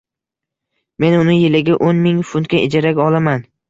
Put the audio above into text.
men uni yiliga o'n ming funtga ijaraga olaman